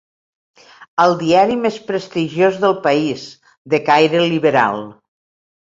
El diari més prestigiós del país, de caire liberal.